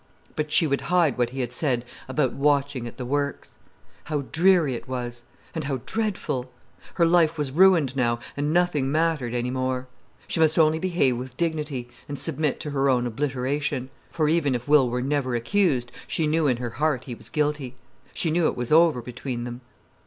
But she would hide what he had said about watching at the works. How dreary it was—and how dreadful. Her life was ruined now, and nothing mattered any more. She must only behave with dignity, and submit to her own obliteration. For even if Will were never accused, she knew in her heart he was guilty. She knew it was over between them.